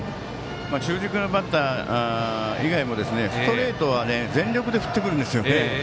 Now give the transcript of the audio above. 中軸のバッター以外もストレートは全力で振ってくるんですよね。